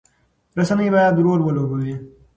رسنۍ باید رول ولوبوي.